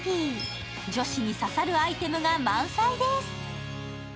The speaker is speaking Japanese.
女子に刺さるアイテムが満載です。